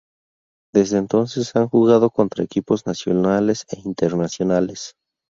Desde entonces han jugado contra equipos nacionales e internacionales.